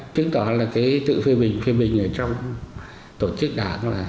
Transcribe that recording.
chứng tỏ là tự phê bình phê bình ở trong tổ chức đảng